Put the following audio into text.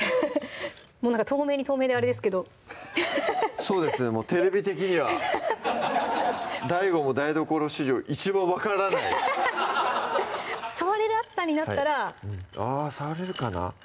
もうなんか透明に透明であれですけどそうですねテレビ的にはＤＡＩＧＯも台所史上一番分からない触れる熱さになったらあぁ触れるかな？